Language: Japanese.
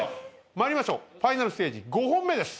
参りましょうファイナルステージ５本目です。